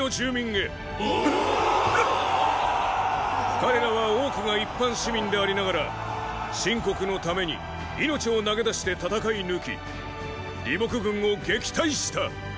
彼らは多くが一般市民でありながら秦国のために命を投げ出して戦い抜き李牧軍を撃退した！